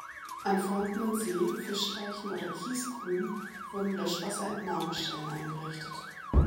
An vorhandenen Seen, Fischteichen oder Kiesgruben wurden Löschwasser-Entnahmestellen eingerichtet.